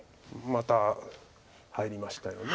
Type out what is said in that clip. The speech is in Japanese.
また入りましたよね。